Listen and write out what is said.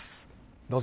どうぞ。